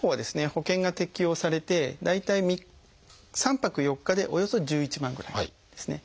保険が適用されて大体３泊４日でおよそ１１万ぐらいですね。